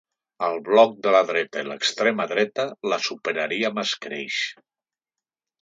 El bloc de la dreta i l’extrema dreta la superaria amb escreix.